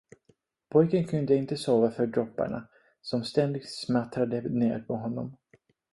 Pojken kunde inte sova för dropparna, som ständigt smattrade ner på honom.